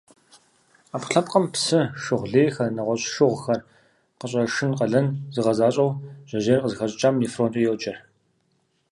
Ӏэпкълъэпкъым псы, шыгъу лейхэр, нэгъуэщӀ щхъухьхэр къыщӀэшын къалэныр зыгъэзащӀэу жьэжьейр къызыхэщӀыкӀам нефронкӀэ йоджэр.